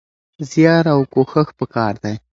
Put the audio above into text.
زيار او کوښښ پکار دی.